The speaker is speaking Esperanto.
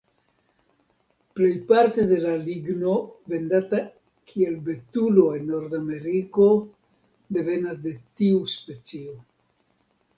Plejparte de la ligno vendata kiel betulo en Nordameriko devenas de tiu specio.